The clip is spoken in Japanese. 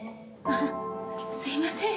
あっすいません。